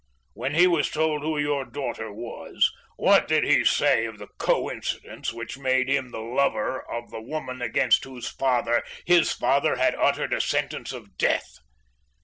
When he was told who your daughter was, what did he say of the coincidence which made him the lover of the woman against whose father, his father had uttered a sentence of death?